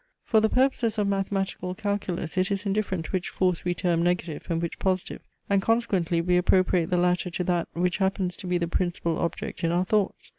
For the purposes of mathematical calculus it is indifferent which force we term negative, and which positive, and consequently we appropriate the latter to that, which happens to be the principal object in our thoughts.